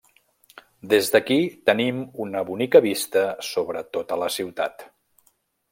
Des d'aquí tenim una bonica vista sobre tota la ciutat.